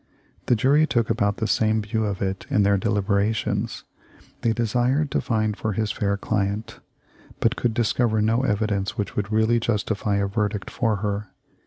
The jury took about the same view of it in their deliberations. They de sired to find for his fair client, but could discover no evidence which would really justify a verdict for her.